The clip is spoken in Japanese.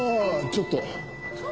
ちょっと？